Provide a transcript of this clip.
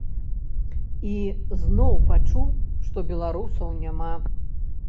І зноў пачуў, што беларусаў няма.